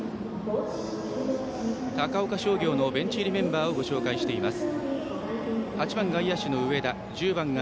高岡商業のベンチ入りメンバーをご紹介しています。